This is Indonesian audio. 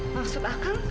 maksud ah kang